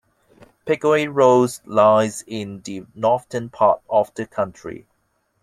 Pickaway-Ross lies in the Northern part of the county.